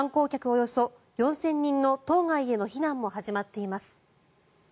およそ４０００人の島外への避難も始まっています。